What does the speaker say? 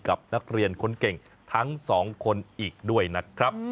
กับนักเรียนคนเก่งทั้ง๒คนอีกด้วยนะครับ